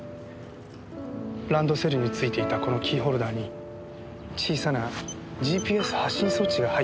ランドセルについていたこのキーホルダーに小さなＧＰＳ発信装置が入っていました。